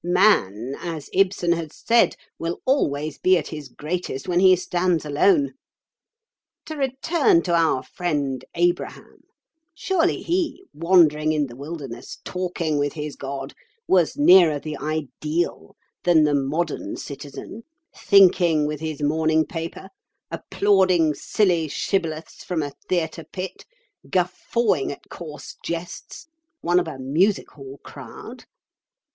"Man, as Ibsen has said, will always be at his greatest when he stands alone. To return to our friend Abraham, surely he, wandering in the wilderness, talking with his God, was nearer the ideal than the modern citizen, thinking with his morning paper, applauding silly shibboleths from a theatre pit, guffawing at coarse jests, one of a music hall crowd?